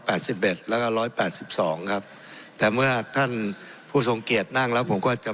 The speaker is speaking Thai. สิบเอ็ดแล้วก็ร้อยแปดสิบสองครับแต่เมื่อท่านผู้ทรงเกียจนั่งแล้วผมก็จะ